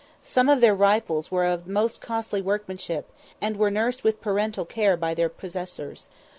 Some of their rifles were of most costly workmanship, and were nursed with paternal care by their possessors.